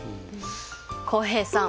浩平さん。